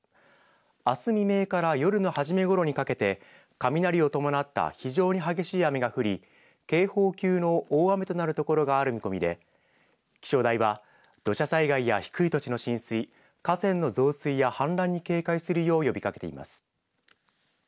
あす未明から夜の初めごろにかけて雷を伴った非常に激しい雨が降り警報級の大雨となるところがある見込みで気象台は土砂災害や低い土地の浸水河川の増水や氾濫に警戒するよう呼びかけています。